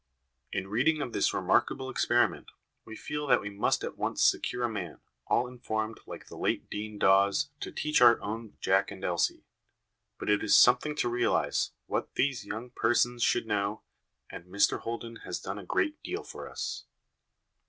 In reading of this remarkable experiment, we feel that we must at once secure a man, all informed like the late Dean Dawes, to teach our own Jack and Elsie ; but it is something to realise what these young persons should know, and Mr Holden has done a great deal for us.